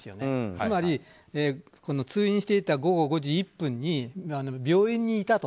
つまり通院していた午後５時１分に病院にいたと。